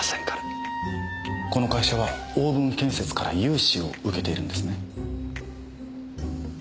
この会社は大分建設から融資を受けているんですね？